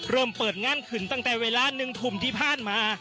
เริ่มเปิดงานขึ้นตั้งแต่เวลา๑ทุ่มที่ผ่านมา